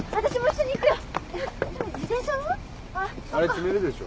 あれ積めるでしょ。